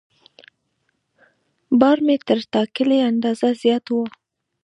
بار مې تر ټاکلي اندازې زیات و.